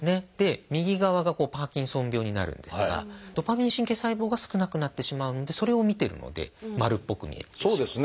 右側がパーキンソン病になるんですがドパミン神経細胞が少なくなってしまうのでそれをみてるので丸っぽく見えてしまう。